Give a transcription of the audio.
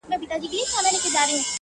کيسه د عبرت بڼه اخلي تل,